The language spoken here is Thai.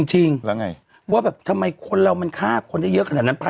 จริงแล้วไงว่าแบบทำไมคนเรามันฆ่าคนได้เยอะขนาดนั้น